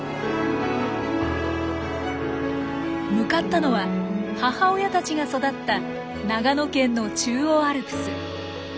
向かったのは母親たちが育った長野県の中央アルプス。